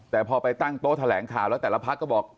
แต่พอไปตั้งโต๊ะแถลงข่าวแล้วแต่ละพักก็บอก